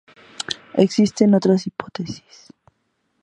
Existen otras hipótesis.